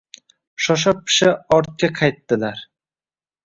Shosha-pisha ortga qaytdilar